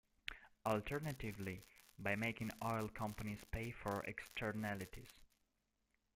Alternatively, by making oil companies pay for externalities.